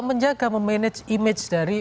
menjaga memanage image dari